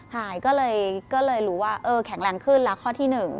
หายก็เลยรู้ว่าเออแข็งแรงขึ้นแล้วข้อที่๑